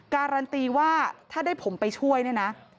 การันตีว่าถ้าได้ผมไปช่วยเนี่ยนะ